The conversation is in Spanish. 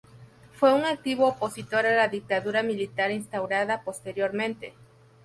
Fue un activo opositor a la dictadura militar instaurada posteriormente.